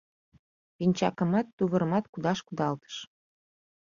Пинчакымат, тувырымат кудаш кудалтыш.